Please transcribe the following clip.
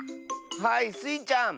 はいスイちゃん。